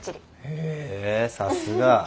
へえさすが。